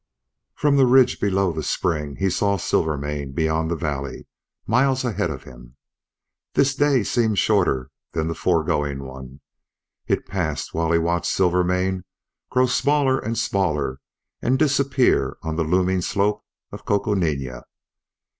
From the ridge below the spring he saw Silvermane beyond the valley, miles ahead of him. This day seemed shorter than the foregoing one; it passed while he watched Silvermane grow smaller and smaller and disappear on the looming slope of Coconina.